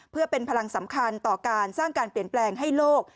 เพื่อเป็นพลังสำคัญต่อการสร้างการเปลี่ยนแปลงให้โลก